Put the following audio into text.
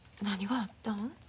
何があったん？